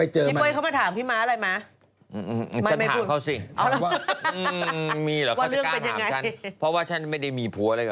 จบสวยค่ะบทครับ